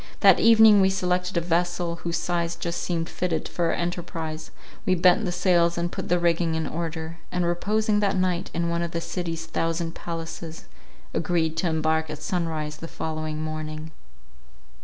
That evening we selected a vessel, whose size just seemed fitted for our enterprize; we bent the sails and put the rigging in order, and reposing that night in one of the city's thousand palaces, agreed to embark at sunrise the following morning.